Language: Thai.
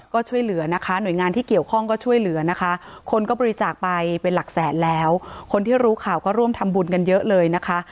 ก็ช่วยเหลือนะคะหน่วยงานที่เกี่ยวข้องก็ช่วยเหลือนะคะคนก็บริจาคไปเป็นหลักแสนแล้วคนที่รู้ข่าวก็ร่วมทำบุญกันเยอะเลยนะคะ